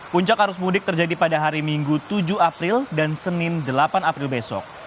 puncak arus mudik terjadi pada hari minggu tujuh april dan senin delapan april besok